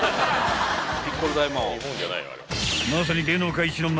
［まさに］